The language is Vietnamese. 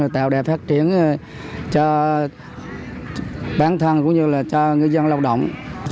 tạo đẹp phát triển cho bản thân cũng như là cho ngư dân lao động